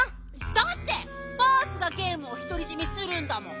だってバースがゲームをひとりじめするんだもん。